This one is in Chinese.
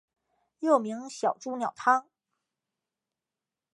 又名小朱鸟汤。